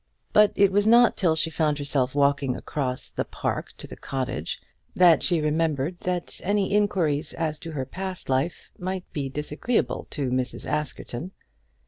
But it was not till she found herself walking across the park to the cottage that she remembered that any inquiries as to her past life might be disagreeable to Mrs. Askerton.